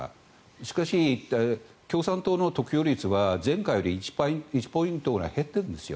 しかし、共産党の得票率は前回より１ポイントぐらい減ってるんですよ。